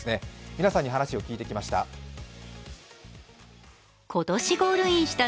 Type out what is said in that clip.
皆さんに話を聞いてきました。